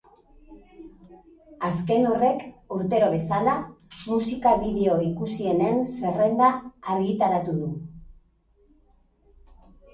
Azken horrek, urtero bezala, musika-bideo ikusienen zerrenda argitaratu du.